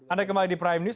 anda kembali di prime news